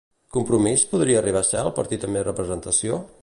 Compromís podria arribar a ser el partit amb més representació?